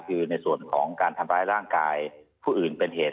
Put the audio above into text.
คือในส่วนของการทำร้ายร่างกายผู้อื่นเป็นเหตุ